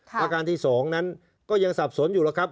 ประการที่๒นั้นก็ยังสับสนอยู่แล้วครับ